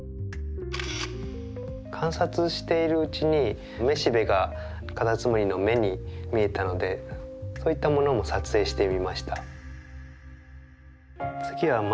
観察しているうちに雌しべがカタツムリの目に見えたのでそういったものも撮影してみました。